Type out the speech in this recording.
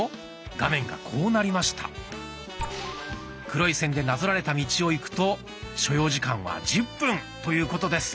黒い線でなぞられた道を行くと所要時間は１０分ということです。